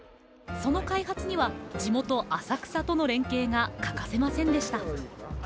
その開発には地元・浅草との連携が欠かせませんでした。